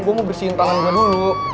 gua mau bersihin tangan gua dulu